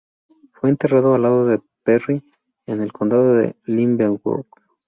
Fue enterrado al lado de Perry en el condado de Leavenworth.